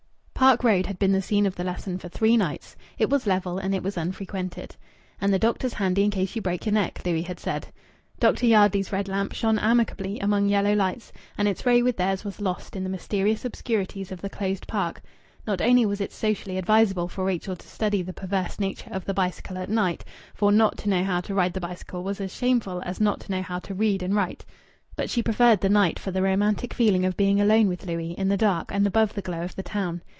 Park Road had been the scene of the lesson for three nights. It was level, and it was unfrequented. "And the doctor's handy in case you break your neck," Louis had said. Dr. Yardley's red lamp shone amicably among yellow lights, and its ray with theirs was lost in the mysterious obscurities of the closed park. Not only was it socially advisable for Rachel to study the perverse nature of the bicycle at night for not to know how to ride the bicycle was as shameful as not to know how to read and write but she preferred the night for the romantic feeling of being alone with Louis, in the dark and above the glow of the town.